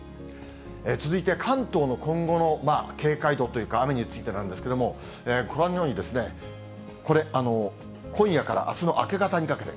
続いて関東の今後の警戒度というか、雨についてなんですけれども、ご覧のように、これ、今夜からあすの明け方にかけて。